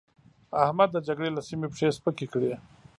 احمد د جګړې له سيمې پښې سپکې کړې.